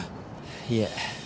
いえ。